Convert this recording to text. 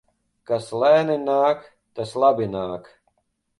Kas lēni nāk, tas labi nāk.